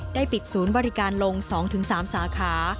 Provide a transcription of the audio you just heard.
ปิดศูนย์บริการลง๒๓สาขา